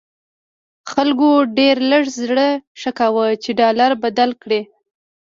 خلکو ډېر لږ زړه ښه کاوه چې ډالر بدل کړي.